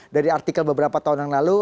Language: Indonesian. dari artikel beberapa tahun yang lalu